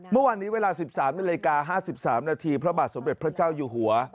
เมื่อวานนี้เวลา๑๓นาฬิกา๕๓นาทีพระบาทสมเด็จพระเจ้าอยู่หัว